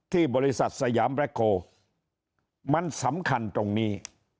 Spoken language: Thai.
ที่บริษัทสยามแบล็คโกมันสำคัญตรงนี้